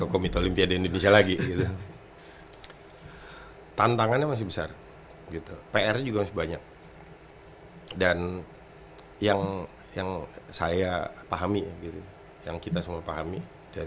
komitmen olimpia di indonesia dan juga di indonesia dan juga di indonesia dan juga di indonesia dan